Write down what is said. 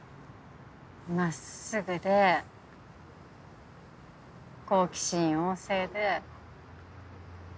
真っすぐで好奇心旺盛で。